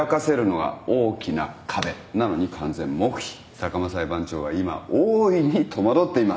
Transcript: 坂間裁判長は今大いに戸惑っています。